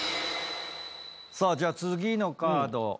さあじゃあ次のカード。